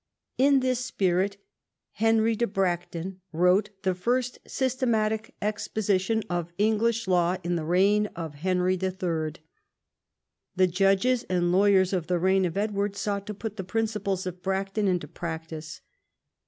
In this spirit Henry de Bracton wrote the first systematic exposition of English law in the reign of Henry III. The judges and lawyers of the reign of Edward sought to put the principles of Bracton into practice.